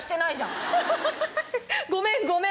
ごめんごめん。